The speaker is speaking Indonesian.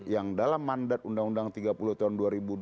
yang dalam mandat undang undang tiga puluh tahun dua ribu dua